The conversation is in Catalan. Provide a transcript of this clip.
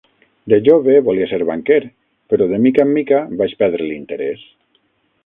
De jove volia ser banquer, però de mica en mica vaig perdre l'interès.